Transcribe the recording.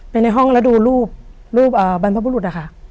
ในห้องแล้วดูรูปรูปบรรพบุรุษอะค่ะ